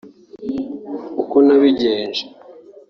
uko nabigenje